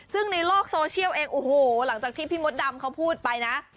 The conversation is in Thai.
ซึ่งในโลกโซเชียลเองโอ้โหหลังจากที่พี่มดดำเขาพูดไปนะ